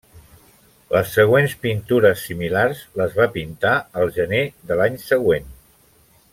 Les següents pintures similars, les va pintar el gener de l'any següent.